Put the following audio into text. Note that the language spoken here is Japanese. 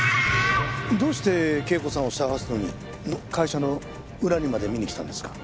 どうして圭子さんを捜すのに会社の裏にまで見に来たんですか？